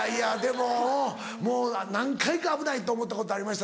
もう何回か危ないと思ったことありました